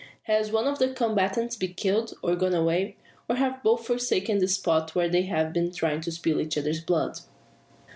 Has one of the combatants been killed, or gone away? Or have both forsaken the spot where they have been trying to spill each other's blood?